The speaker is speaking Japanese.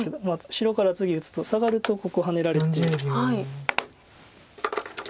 白から次打つとサガるとここハネられて。